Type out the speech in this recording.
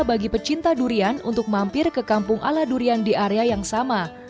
bagi pecinta durian untuk mampir ke kampung ala durian di area yang sama